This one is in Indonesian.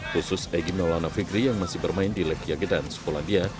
khusus egym nolanovicri yang masih bermain di legia gedan sepulang bia